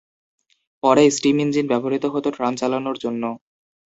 পরে steam engine ব্যবহৃত হত ট্রাম চালানোর জন্য।